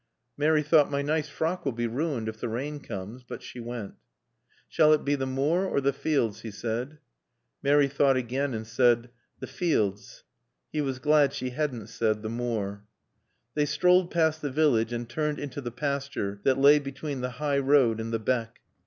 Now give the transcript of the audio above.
Mary thought, "My nice frock will be ruined if the rain comes." But she went. "Shall it be the moor or the fields?" he said. Mary thought again, and said, "The fields." He was glad she hadn't said "The moor." They strolled past the village and turned into the pasture that lay between the high road and the beck.